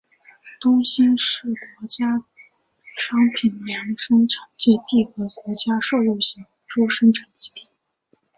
东兴是国家商品粮生产基地和国家瘦肉型猪生产基地。